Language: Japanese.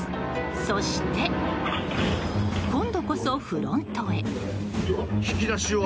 そして、今度こそフロントへ。